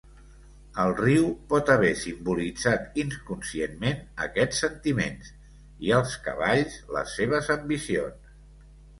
El riu pot haver simbolitzat inconscientment aquests sentiments i els cavalls les seves ambicions.